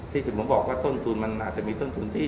ที่ผมบอกว่าต้นทุนมันอาจจะมีต้นทุนที่